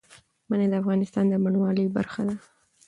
منی د افغانستان د بڼوالۍ برخه ده.